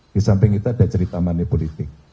di samping itu ada cerita manipulatif